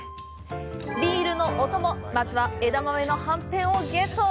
ビールのお供、まずは枝豆のはんぺんをゲット！